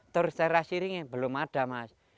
terus teras siring belum ada mas